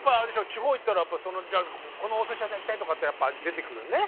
地方行ったらこのお寿司屋さん行きたいとかってやっぱ出てくるね。